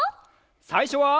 さいしょは。